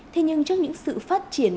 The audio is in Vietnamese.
thế nhưng trước những sự phát triển